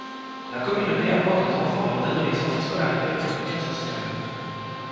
La communauté apporte aux enfants et aux adolescents une scolarité et un soutien social.